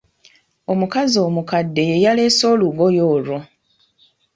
Omukazi omukadde ye yaleese olugoye olwo.